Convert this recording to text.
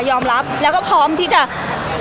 พี่ตอบได้แค่นี้จริงค่ะ